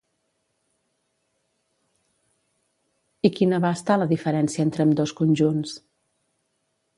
I quina va estar la diferència entre ambdós conjunts?